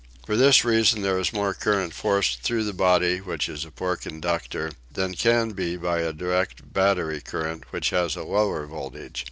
For this reason there is more current forced through the body, which is a poor conductor, than can be by a direct battery current which has a lower voltage.